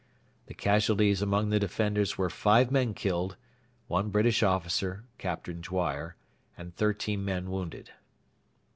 The casualties among the defenders were five men killed, one British officer (Captain Dwyer) and thirteen men wounded.